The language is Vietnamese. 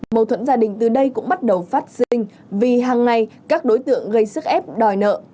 mâu thuẫn gia đình từ đây cũng bắt đầu phát sinh vì hàng ngày các đối tượng gây sức ép đòi nợ